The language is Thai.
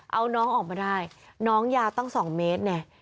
เอาน้องออกมาได้น้องยาวตั้ง๒เมตรไง